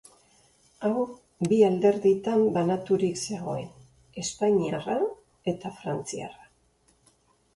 Hau bi alderditan banaturik zegoen: espainiarra eta frantziarra.